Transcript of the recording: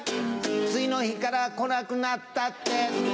次の日から来なくなったって